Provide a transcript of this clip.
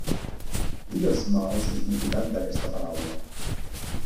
Digues-me el significat d'aquesta paraula.